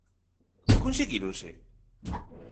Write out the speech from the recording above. Conseguíronse?